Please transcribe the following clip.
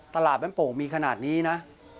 ตลาดแม่นโป่งมีขนาดนี้นะ